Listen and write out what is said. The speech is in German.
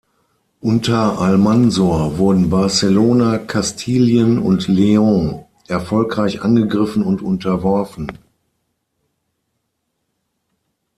Unter Almansor wurden Barcelona, Kastilien und León erfolgreich angegriffen und unterworfen.